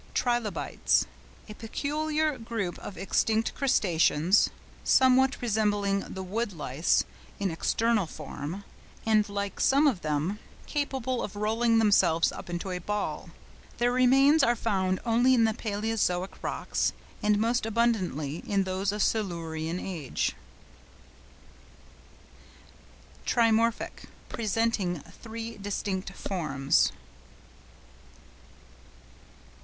TRILOBITES.—A peculiar group of extinct crustaceans, somewhat resembling the woodlice in external form, and, like some of them, capable of rolling themselves up into a ball. Their remains are found only in the Palæozoic rocks, and most abundantly in those of Silurian age. TRIMORPHIC.—Presenting three distinct forms.